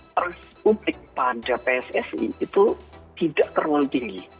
trust publik pada pssi itu tidak terlalu tinggi